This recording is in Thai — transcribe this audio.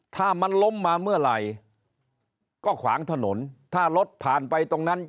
ถ้ามันล้มมาเมื่อไหร่ก็ขวางถนนถ้ารถผ่านไปตรงนั้น